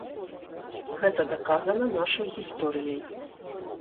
Гэта даказана нашай гісторыяй.